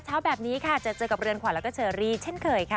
เช้าแบบนี้ค่ะจะเจอกับเรือนขวัญแล้วก็เชอรี่เช่นเคยค่ะ